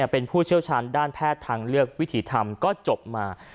เป็นผู้เชี่ยวชาญด้านแพทย์ทางเลือกวิถีธรรมก็จบมา